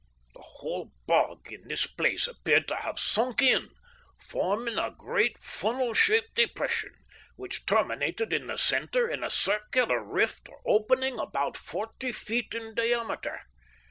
The whole bog in this part appeared to have sunk in, forming a great, funnel shaped depression, which terminated in the centre in a circular rift or opening about forty feet in diameter.